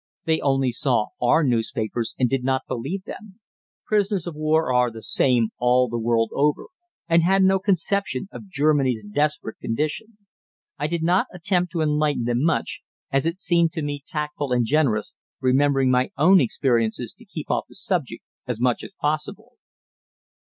They only saw our newspapers and did not believe them prisoners of war are the same all the world over and had no conception of Germany's desperate condition. I did not attempt to enlighten them much, as it seemed to me tactful and generous, remembering my own experiences to keep off the subject as much as possible.